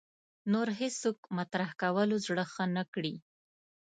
نور هېڅوک مطرح کولو زړه ښه نه کړي